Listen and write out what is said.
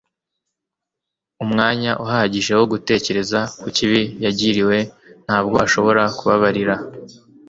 umwanya uhagije wo gutekereza ku kibi yagiriwe, ntabwo ashobora kubabarira